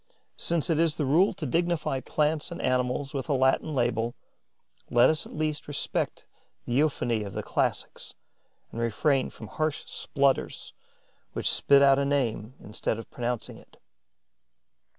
Since it is the rule to dignify plants and animals with a Latin label, let us at least respect the euphony of the classics and refrain from harsh splutters which spit out a name instead of pronouncing it.